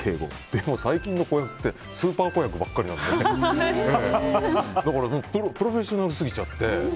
でも最近の子役ってスーパー子役ばっかりなのでプロフェッショナルすぎちゃって。